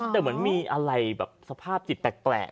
ชาวบ้านญาติโปรดแค้นไปดูภาพบรรยากาศขณะ